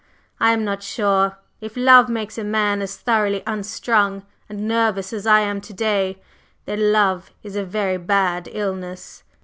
I am not sure! If love makes a man as thoroughly unstrung and nervous as I am to day, then love is a very bad illness."